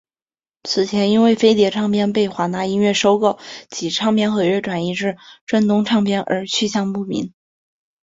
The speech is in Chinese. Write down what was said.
此前因为飞碟唱片被华纳音乐收购及唱片合约转移至正东唱片而去向不明。